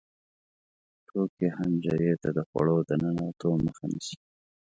توکې حنجرې ته د خوړو د ننوتو مخه نیسي.